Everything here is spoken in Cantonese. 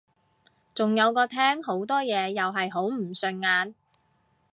仲有個廳好多嘢又係好唔順眼